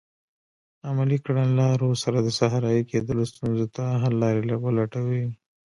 عملي کړنلارو سره د صحرایې کیدلو ستونزو ته حل لارې ولټوي.